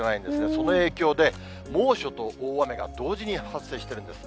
その影響で、猛暑と大雨が同時に発生しているんです。